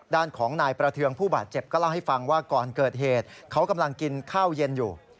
ด้านของนายประเทืองผู้บาดเจ็บก็เล่าให้ฟังว่าก่อนเกิดเหตุเขากำลังกินข้าวเย็นอยู่